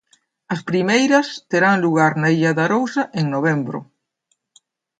As primeiras terán lugar na Illa de Arousa en novembro.